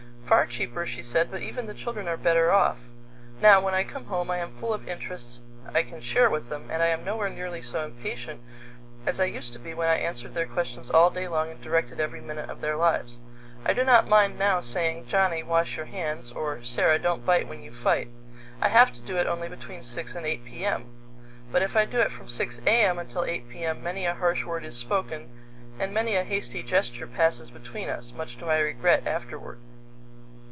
"Far cheaper," she said, "but even the children are better off. Now, when I come home, I am full of interests I can share with them, and I am nowhere nearly so impatient as I used to be when I answered their questions all day long and directed every minute of their lives. I do not mind now saying, 'Johnny, wash your hands,' or, 'Sara, don't bite when you fight.' I have to do it only between 6 and 8 P.M. But if I do it from 6 A.M. until 8 P.M., many a harsh word is spoken, and many a hasty gesture passes between us, much to my regret afterward."